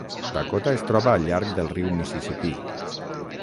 Dakota es troba al llarg del riu Mississipí.